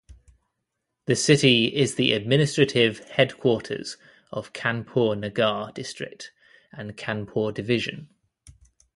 The city is the administrative headquarters of Kanpur Nagar district and Kanpur division.